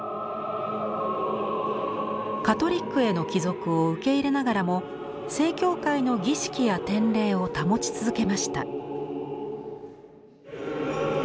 カトリックへの帰属を受け入れながらも正教会の儀式や典礼を保ち続けました。